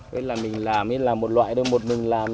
vậy là mình làm mình làm một loại thôi một mình làm